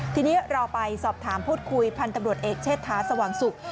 ทีนี้รอไปสอบถามพูดคุยพันธ์กำรวจเอกเชษฐาสวังสุข